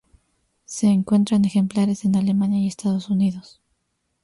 Se encuentran ejemplares en Alemania y Estados Unidos.